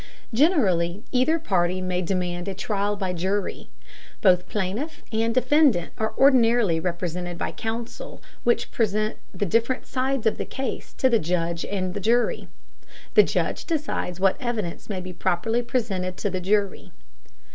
Generally either party may demand a trial by jury. Both plaintiff and defendant are ordinarily represented by counsel which present the different sides of the case to the judge and jury. The judge decides what evidence may be properly presented to the jury.